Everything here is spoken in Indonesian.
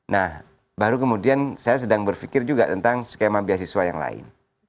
nah baru kemudian saya sedang berpikir juga tentang skema beasiswa yang lain